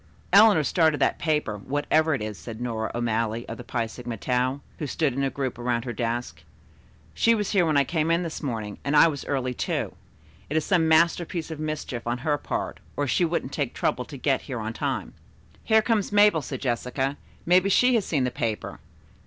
"Eleanor started that paper, whatever it is," said Nora O'Malley to the Phi Sigma Tau, who stood in a group around her desk. "She was here when I came in this morning, and I was early, too. It is some masterpiece of mischief on her part, or she wouldn't take the trouble to get here on time." "Here comes Mabel," said Jessica. "Maybe she has seen the paper.